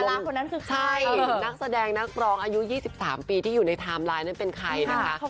คนนั้นคือใครนักแสดงนักร้องอายุ๒๓ปีที่อยู่ในไทม์ไลน์นั้นเป็นใครนะคะ